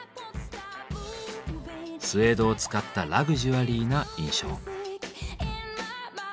スエードを使ったラグジュアリーな印象。